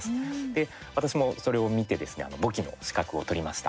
で、私もそれを見てですね簿記の資格を取りました。